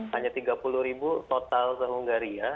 hanya tiga puluh ribu total di bunggari ya